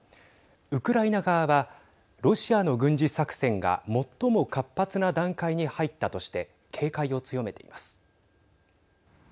ウクライナ側はロシアの軍事作戦が最も活発な段階に入ったとして警戒を強めています。